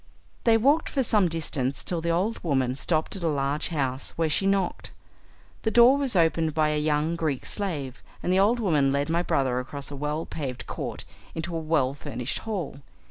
They walked for some distance till the old woman stopped at a large house, where she knocked. The door was opened by a young Greek slave, and the old woman led my brother across a well paved court into a well furnished hall.